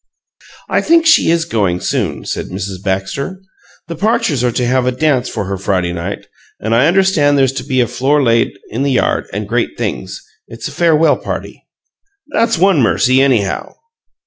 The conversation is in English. "I think she is going soon," said Mrs. Baxter. "The Parchers are to have a dance for her Friday night, and I understand there's to be a floor laid in the yard and great things. It's a farewell party." "That's one mercy, anyhow!"